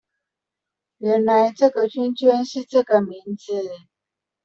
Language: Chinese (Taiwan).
原來這個圈圈是這個名字